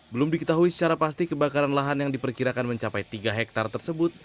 belum diketahui secara pasti kebakaran lahan yang diperkirakan mencapai tiga hektare tersebut